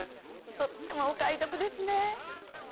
とってもお買い得ですね